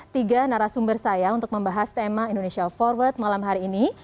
tiga narasumber saya untuk membahas tema indonesia forward malam hari ini